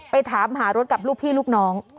ไปถามหารถกับลูกพี่ลูกน้อง